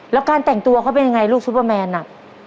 แล้วการแต่งตัวเขาเป็นยังไงลูกซุปเปอร์แมนน่ะ